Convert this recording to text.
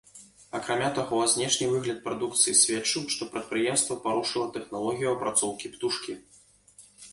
Акрамя таго, знешні выгляд прадукцыі сведчыў, што прадпрыемства парушыла тэхналогію апрацоўкі птушкі.